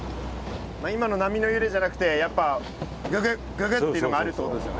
今の波の揺れじゃなくてやっぱググッググッていうのがあるってことですよね。